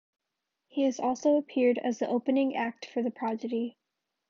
He has also appeared as the opening act for The Prodigy.